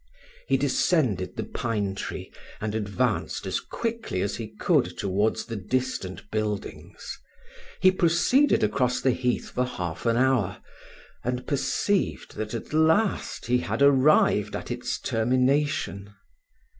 He descended the pine tree, and advanced as quickly as he could towards the distant buildings. He proceeded across the heath for half an hour, and perceived that, at last, he had arrived at its termination.